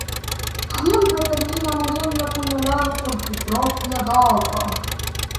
Siempre termina muriendo apuñalado por su propia daga.